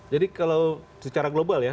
jadi kalau secara global ya